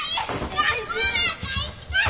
学校なんか行きたくない！